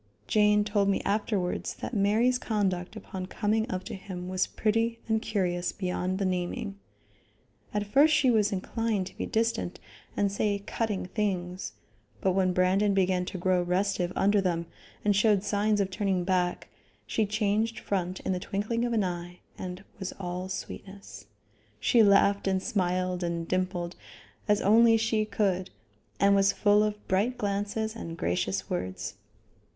Jane told me afterwards that Mary's conduct upon coming up to him was pretty and curious beyond the naming. At first she was inclined to be distant, and say cutting things, but when Brandon began to grow restive under them and showed signs of turning back, she changed front in the twinkling of an eye and was all sweetness. She laughed and smiled and dimpled, as only she could, and was full of bright glances and gracious words.